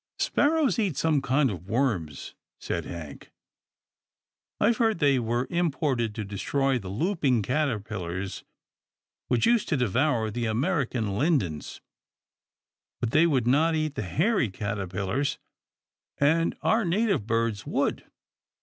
Sparrows eat some kinds of worms," said Hank. " I've heard they were imported to destroy the looping caterpillars which used to devour the American lindens. But they would not eat the hairy caterpillars, and our native birds would.